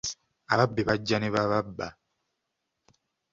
Ababbi bajja ne bababba.